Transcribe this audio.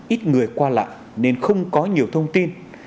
ít người qua lại nên không có nhiều thông tin